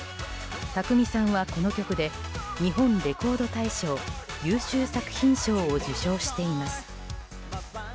宅見さんは、この曲で日本レコード大賞優秀作品賞を受賞しています。